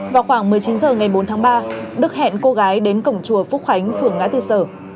vào khoảng một mươi chín h ngày bốn tháng ba đức hẹn cô gái đến cổng chùa phúc khánh phường ngã tư sở